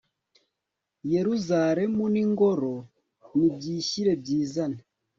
yeruzalemu n'ingoro nibyishyire byizane